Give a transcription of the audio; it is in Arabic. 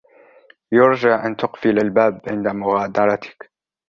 يرجى أن تقفل الباب عند مغادرتك.